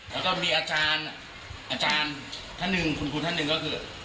แล้วก็มีอาจารย์อาจารย์ท่านหนึ่งคุณครูท่านหนึ่งก็คือ